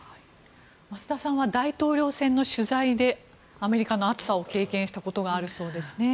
増田さんは大統領選の取材でアメリカの暑さを経験したことがあるそうですね。